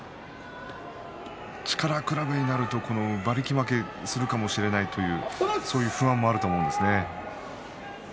力比べになると馬力負けするかもしれないというそういう不安もあると思います。